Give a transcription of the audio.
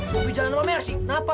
mau berjalan sama mea sih kenapa